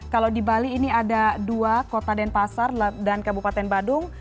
kalau di bali ini ada dua kota denpasar dan kabupaten badung